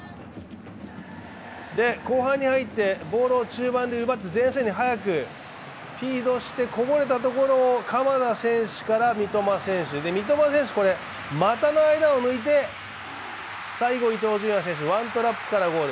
後半に入ってボールを中盤で奪って前線に早くフィードしてこぼれたところを鎌田選手から三笘選手、三笘選手、股の間を抜いて最後、伊東純也選手ワントラップでゴール。